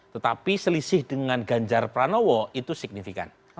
tetapi selisih dengan ganjar pranowo itu signifikan